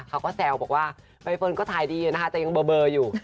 เขาก็แซวบอกว่าใบเฟิร์นก็ถ่ายดีนะคะแต่ยังเบอร์อยู่